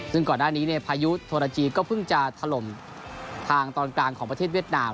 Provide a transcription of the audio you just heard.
ซึ่งก่อนหน้านี้พายุโทรจีก็เพิ่งจะถล่มทางตอนกลางของประเทศเวียดนาม